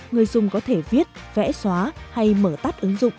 người dùng có thể viết vẽ xóa hay mở tắt ứng dụng